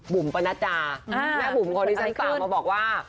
ปนัดดาแม่บุ๋มคนที่ฉันฝากมาบอกว่า